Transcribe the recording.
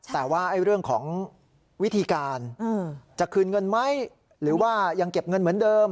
แต่ว่าเรื่องของวิธีการจะคืนเงินไหมหรือว่ายังเก็บเงินเหมือนเดิม